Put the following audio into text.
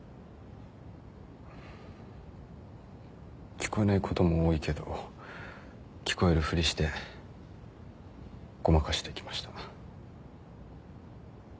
聞こえないことも多いけど聞こえるふりしてごまかしてきました。